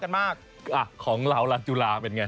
กันมากของเราล่ะจุฬาเป็นไง